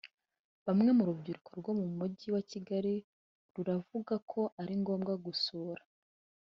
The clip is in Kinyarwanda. Bamwe mu rubyiruko rwo mu mujyi wa Kigali ruravuga ko ari ngombwa gusura